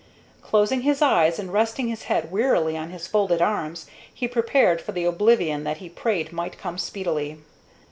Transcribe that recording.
Closing his eyes, and resting his head wearily on his folded arms, he prepared for the oblivion that he prayed might come speedily.